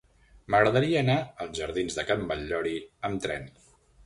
M'agradaria anar als jardins de Can Batllori amb tren.